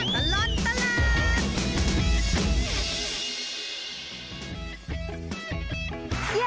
ช่วงตลอดตลาด